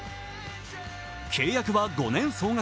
契約は５年総額